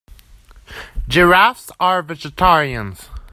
Giraffes are vegetarians.